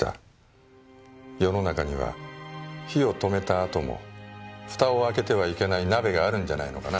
世の中には火を止めたあとも蓋を開けてはいけない鍋があるんじゃないのかな。